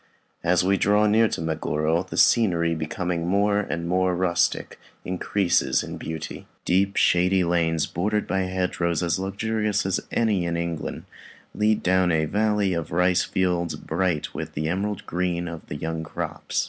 As we draw near to Meguro, the scenery, becoming more and more rustic, increases in beauty. Deep shady lanes, bordered by hedgerows as luxurious as any in England, lead down to a valley of rice fields bright with the emerald green of the young crops.